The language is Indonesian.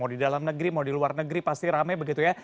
mau di dalam negeri mau di luar negeri pasti rame begitu ya